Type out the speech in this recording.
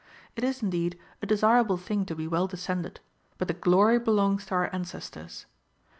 It is. indeed, a desirable thing to be well descended ; but the glory belongs to our ancestors.